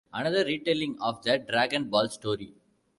Another retelling of the Dragon Ball story.